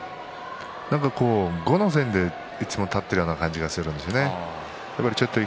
後の先でいつも立っているような感じがするんですよね。